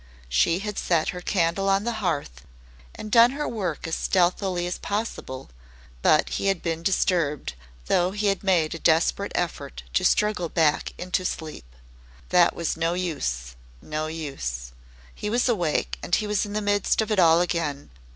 She had set her candle on the hearth and done her work as stealthily as possible, but he had been disturbed, though he had made a desperate effort to struggle back into sleep. That was no use no use. He was awake and he was in the midst of it all again.